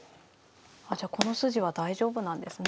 あじゃあこの筋は大丈夫なんですね。